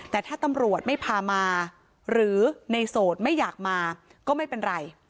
แต่ถ้าตำรวจไม่พามาหรือในโสดไม่อยากมาก็ไม่เป็นไร